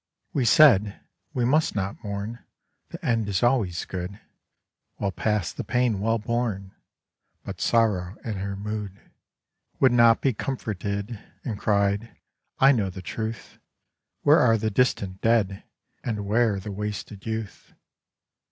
We said, 'We must not mourn; The end is always good; Well past the pain well borne.' But Sorrow in her mood Would not be comforted, And cried, 'I know the truth; Where are the distant dead, And where the wasted youth?